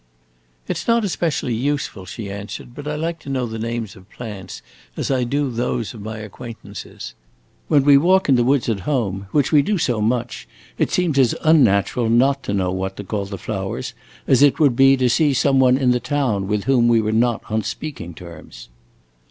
"It 's not especially useful," she answered; "but I like to know the names of plants as I do those of my acquaintances. When we walk in the woods at home which we do so much it seems as unnatural not to know what to call the flowers as it would be to see some one in the town with whom we were not on speaking terms."